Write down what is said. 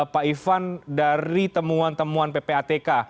pak ivan dari temuan temuan ppatk